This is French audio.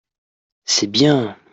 c'est bien.